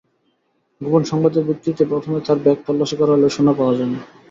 গোপন সংবাদের ভিত্তিতে প্রথমে তাঁর ব্যাগ তল্লাশি করা হলেও সোনা পাওয়া যায়নি।